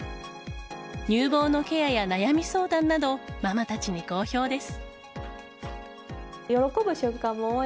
乳房のケアや悩み相談などママたちに好評です。